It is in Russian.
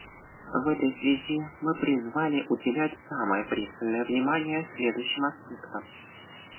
В этой связи мы призваны уделять самое пристальное внимание следующим аспектам.